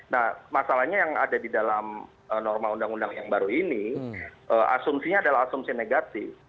nah masalahnya yang ada di dalam norma undang undang yang baru ini asumsinya adalah asumsi negatif